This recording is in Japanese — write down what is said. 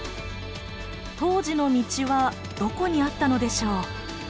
当時の道はどこにあったのでしょう。